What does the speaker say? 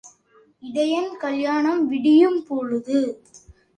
இடையன் கல்யாணம் விடியும் பொழுது.